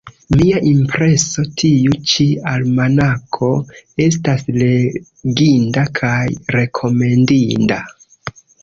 Mia impreso: tiu ĉi almanako estas leginda kaj rekomendinda.